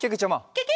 ケケ！